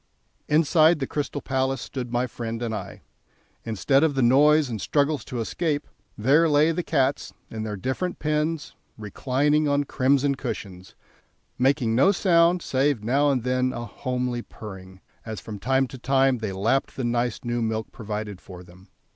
Inside the Crystal Palace stood my friend and I. Instead of the noise and struggles to escape, there lay the cats in their different pens, reclining on crimson cushions, making no sound save now and then a homely purring, as from time to time they lapped the nice new milk provided for them.